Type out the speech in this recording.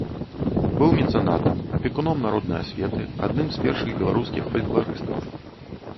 Быў мецэнатам, апекуном народнай асветы, адным з першых беларускіх фалькларыстаў.